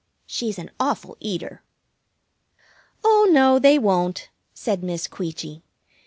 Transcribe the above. She's an awful eater. "Oh no, they won't," said Miss Queechy.